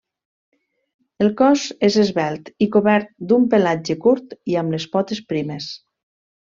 El cos és esvelt i cobert d'un pelatge curt i amb les potes primes.